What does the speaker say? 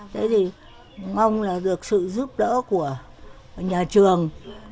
thế thì mong là được sự giúp đỡ của nhà trường